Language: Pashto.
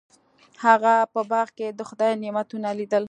هغه په باغ کې د خدای نعمتونه لیدل.